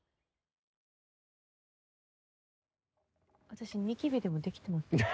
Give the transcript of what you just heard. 私ニキビでもできてます？